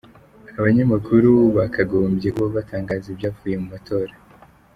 Abanyamakuru bakagombye kuba batangaza ibyavuye mu matora.